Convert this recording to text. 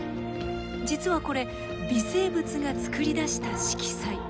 実はこれ微生物が作り出した色彩。